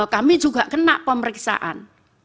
kami juga kena pemeriksaan